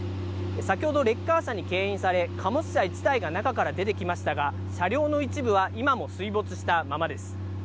先ほどレッカー車にけん引され、貨物車１台が中から出てきましたが、車両の一部は今も水没したままです。